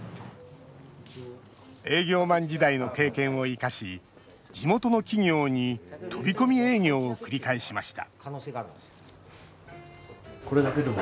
営業マン時代の経験を生かし地元の企業に飛び込み営業を繰り返しました